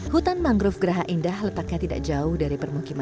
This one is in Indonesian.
hutan mangrove geraha indah letaknya tidak jauh dari permukiman